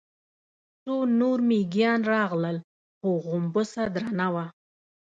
څو نور مېږيان راغلل، خو غومبسه درنه وه.